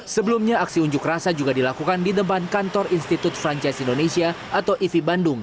sebelumnya aksi unjuk rasa juga dilakukan di depan kantor institut franchasi indonesia atau ivi bandung